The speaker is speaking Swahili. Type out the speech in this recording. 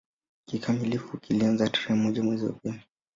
Kikamilifu kilianza tarehe moja mwezi wa pili